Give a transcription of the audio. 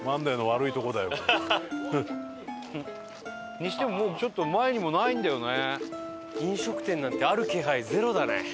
にしてももうちょっと前にもないんだよね。